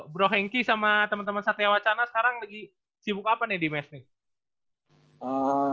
bro hengky sama temen temen satya wacana sekarang lagi sibuk apa nih di mes nih